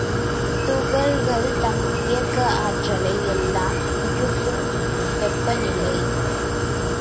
துகள்கள் தம் இயக்க ஆற்றலை எல்லாம் இழக்கும் வெப்பநிலை.